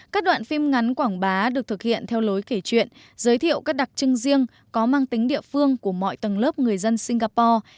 các đoạn phim ngắn quảng bá được thực hiện theo lối kể chuyện giới thiệu các đặc trưng riêng có mang tính địa phương của mọi tầng lớp người dân singapore